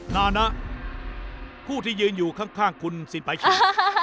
นะผู้ที่ยืนอยู่ข้างคุณสินปาชิ